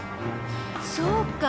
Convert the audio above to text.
そうか！